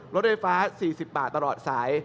รถไฟฟ้า๔๐บาทตลอดสาย